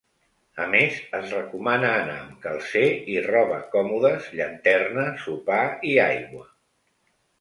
A més, es recomana anar amb calcer i roba còmodes, llanterna, sopar i aigua.